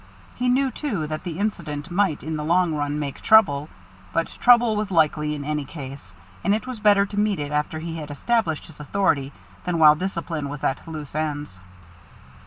He knew, too, that the incident might in the long run make trouble. But trouble was likely in any case, and it was better to meet it after he had established his authority than while discipline was at loose ends.